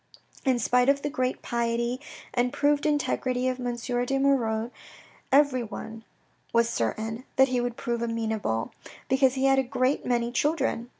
In spite of the great piety and proved integrity of M. de Moirod, everyone was certain that he would prove amenable, because he had a great many children.